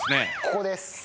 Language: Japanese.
ここです。